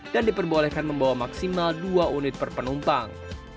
dan diperbolehkan membawa maksimal dua unit per penumpang